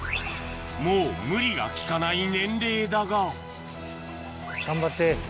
もう無理が利かない年齢だが頑張って。